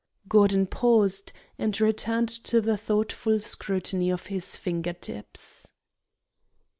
'" Gordon paused, and returned to the thoughtful scrutiny of his finger tips.